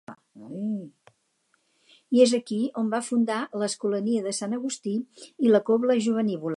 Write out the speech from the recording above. I és aquí on va fundar l'Escolania de Sant Agustí i la Cobla Jovenívola.